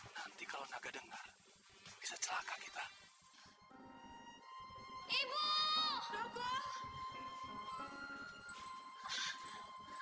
nanti kalau naga dengar bisa celaka kita